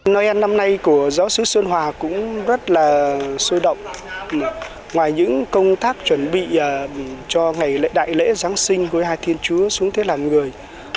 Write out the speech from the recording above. nơi ăn năm nay của giáo sứ xuân hòa cũng rất là sôi động ngoài những công tác chuẩn bị cho ngày lễ đại lễ giáng sinh của hai thiên chúa xuống thế làm người